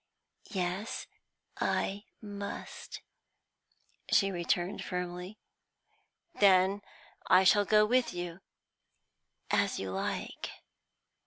"Yes, I must," she returned firmly. "Then I shall go with you." "As you like.